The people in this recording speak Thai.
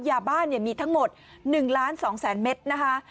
ยาบ้านมีทั้งหมด๑๒๐๐๐๐๐เมตรนะคะ